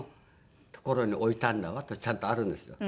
２階の所に置いたんだわってちゃんとあるんですよ。